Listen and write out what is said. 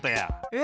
え！